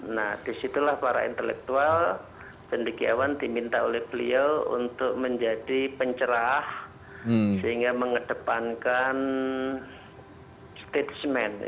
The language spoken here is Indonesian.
nah disitulah para intelektual cendikiawan diminta oleh beliau untuk menjadi pencerah sehingga mengedepankan statement